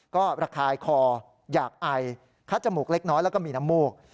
ก็ระคายคออยากไอคัดจมูกเล็กน้อยแล้วก็มีน้ำมูก